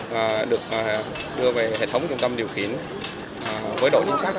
và được đưa về hệ thống trung tâm điều khiển với độ chính xác rất cao